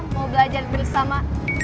mau belajar bersama